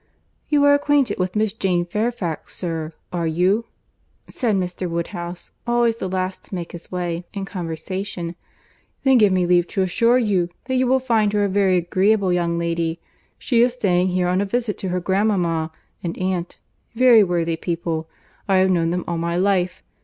"You are acquainted with Miss Jane Fairfax, sir, are you?" said Mr. Woodhouse, always the last to make his way in conversation; "then give me leave to assure you that you will find her a very agreeable young lady. She is staying here on a visit to her grandmama and aunt, very worthy people; I have known them all my life.